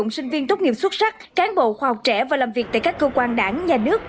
sinh viên tốt nghiệp xuất sắc cán bộ khoa học trẻ và làm việc tại các cơ quan đảng nhà nước